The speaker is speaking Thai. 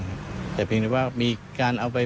มันเป็นคิดเสียงที่อยู่ในสำนวนอยู่แล้ว